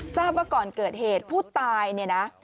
ทราบว่าก่อนเกิดเหตุผู้ตายเนี่ยนะ